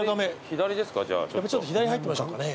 左入ってみましょうかね。